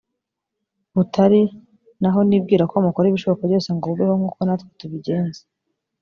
butari naho nibwira ko mukora ibishoka byose ngo bubeho nk uko natwe tubigenza